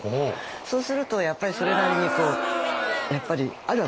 そうするとやっぱりそれなりにあるわけですよ。